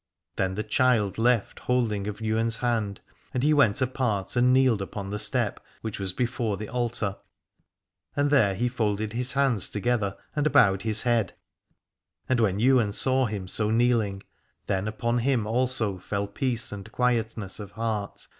Then the child left hold ing of Ywain's hand, and he went apart and kneeled upon the step which was before the altar, and there he folded his hands together and bowed his head : and when Ywain saw him so kneeling, then upon him also fell peace and quietness of heart.